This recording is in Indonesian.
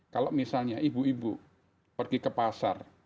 kalau misalnya ibu ibu pergi ke pasar